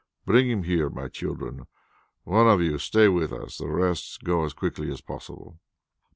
Bring him here, my children. One of you stay with us; the rest go as quickly as possible."